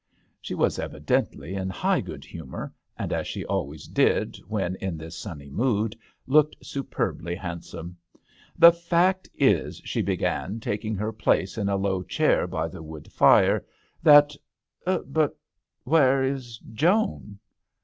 She was evidently in high good humour, and, as she always did when in this sunny mood, looked superbly handsome. The fact is," she began, tak ing her place in a low chair by THE HdTEL D'aNGLSTERRB. 55 the wood fire, "that But where is Joan